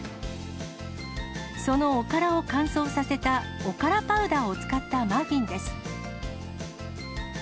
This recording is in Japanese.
そのおからを乾燥させたおからパウダーを使ったマフィンです。